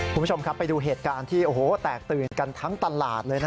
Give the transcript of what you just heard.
คุณผู้ชมครับไปดูเหตุการณ์ที่โอ้โหแตกตื่นกันทั้งตลาดเลยนะ